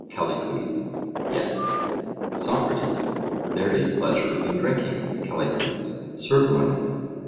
CALLICLES: Yes. SOCRATES: There is pleasure in drinking? CALLICLES: Certainly.